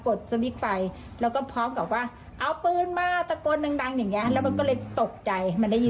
ปวดอยู่ตั้งนานแล้วเพราะว่าเราดูเราดูกล้องที่เขาอยู่ในบ้านอ่ะ